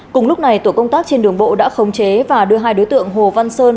cùng lúc này tổ công tác trên đường bộ đã khống chế và đưa hai đối tượng hồ văn sơn